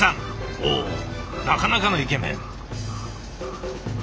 おおなかなかのイケメン！